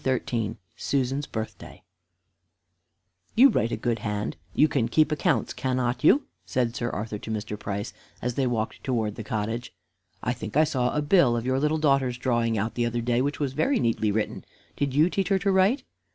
XIII SUSAN'S BIRTHDAY "You write a good hand, you can keep accounts, cannot you?" said Sir Arthur to Mr. Price, as they walked towards the cottage. "I think I saw a bill of your little daughter's drawing out the other day, which was very neatly written. Did you teach her to write?"